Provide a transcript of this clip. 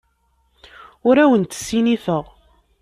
Ur awent-ssinifeɣ.